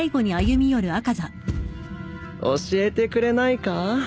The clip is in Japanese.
教えてくれないか？